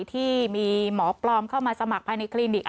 ที่มีหมอปลอมเข้ามาสมัครภายในคลินิก